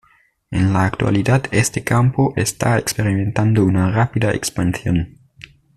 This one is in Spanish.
En la actualidad, este campo está experimentando una rápida expansión.